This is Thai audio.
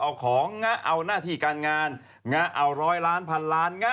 เออไม่จะต้องสวดเองก็ปล่ะแต่จะต้องอ้างขาอย่างนี้เลยนะ